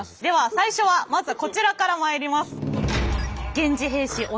では最初はまずこちらからまいります。